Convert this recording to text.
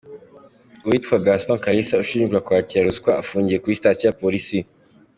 Uwitwa Gaston Kalisa, ushinjwa kwakira ruswa afungiye kuri sitasiyo ya Polisi ya Kibungo.